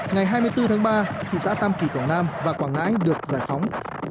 ngày hai mươi bốn tháng ba thị xã tam kỳ quảng nam và quảng ngãi được giải phóng